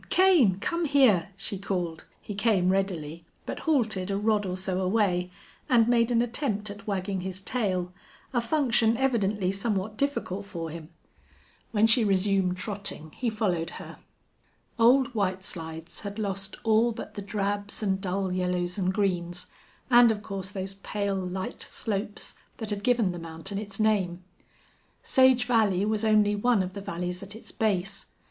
Kane! come here!" she called. He came readily, but halted a rod or so away, and made an attempt at wagging his tail, a function evidently somewhat difficult for him. When she resumed trotting he followed her. Old White Slides had lost all but the drabs and dull yellows and greens, and of course those pale, light slopes that had given the mountain its name. Sage Valley was only one of the valleys at its base.